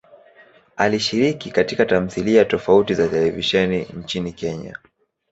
Alishiriki katika tamthilia tofauti za televisheni nchini Kenya.